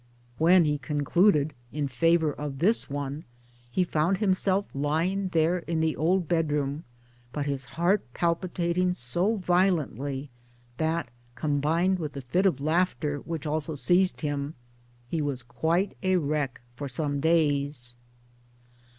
When he concluded in favour of this one he found himself lying there in the old bedroom, but his heart palpi tating so violently that, combined with the fit of laughter which also seized him, he was quite a wreck for some days after.